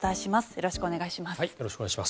よろしくお願いします。